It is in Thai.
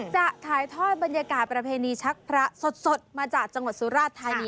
จะถ่ายทอดบรรยากาศประเพณีชักพระสดมาจากจังหวัดสุราชธานี